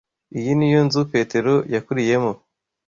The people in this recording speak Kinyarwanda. Iyi niyo nzu Petero yakuriyemo.